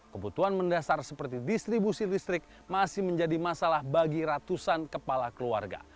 kebutuhan mendasar seperti distribusi listrik masih menjadi masalah bagi ratusan kepala keluarga